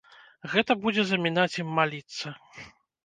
Гэта будзе замінаць ім маліцца.